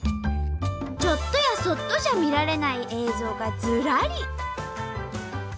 ちょっとやそっとじゃ見られない映像がずらり！